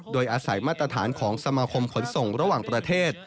โดยอาศัยมาตรฐานของสมาคมขนส่งระหว่างประเทศ